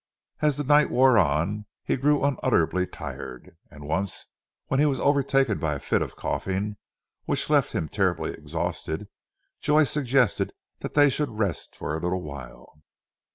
As the night wore on, he grew unutterably tired, and once when he was overtaken by a fit of coughing, which left him terribly exhausted, Joy suggested that they should rest for a little while.